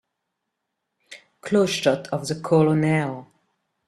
Close shot of the COLONEL.